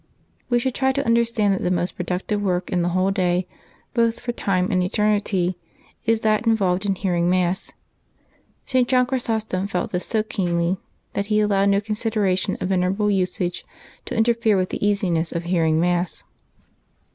— We should try to understand that the most productive work in the whole day, both for time and eternity, is that involved in hearing Mass. St. John Chrysostom felt this so keenly that he allowed no con sideration of venerable usage to interfere with the easiness of hearing Mass.